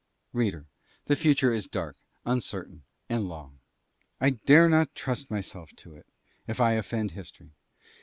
Reader, the future is dark, uncertain and long; I dare not trust myself to it if I offend History.